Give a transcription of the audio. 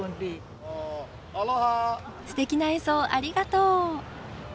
すてきな演奏ありがとう。